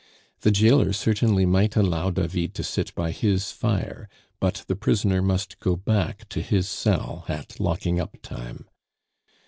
The jailer certainly might allow David to sit by his fire, but the prisoner must go back to his cell at locking up time.